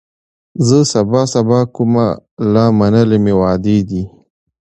زه سبا سبا کومه لا منلي مي وعدې دي